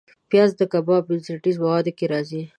پیاز د کباب بنسټیز موادو کې راځي